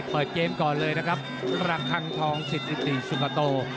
เปิดเกมก่อนเลยนะครับระคังทองสิทธิติสุกโต